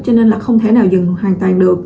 cho nên là không thể nào dừng hoàn toàn được